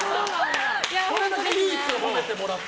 これだけ唯一ほめてもらった。